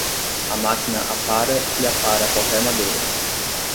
A máquina apara e apara qualquer madeira.